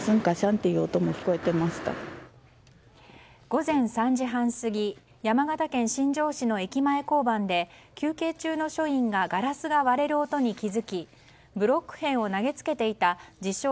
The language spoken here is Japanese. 午前３時半過ぎ山形県新庄市の駅前交番で休憩中の署員がガラスが割れる音に気づきブロック片を投げつけていた自称